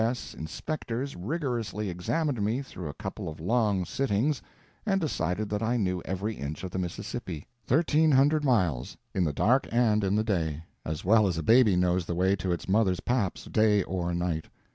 S. inspectors rigorously examined me through a couple of long sittings and decided that I knew every inch of the Mississippi—thirteen hundred miles—in the dark and in the day—as well as a baby knows the way to its mother's paps day or night.